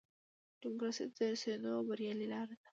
ډیموکراسۍ ته د رسېدو بریالۍ لاره ده.